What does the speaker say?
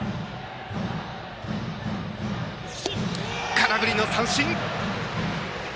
空振り三振！